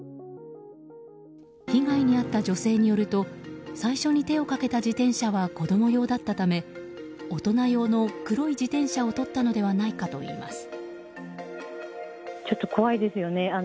被害に遭った女性によると最初に手をかけた自転車は子供用だったため大人用の黒い自転車をとったのではないかといいます。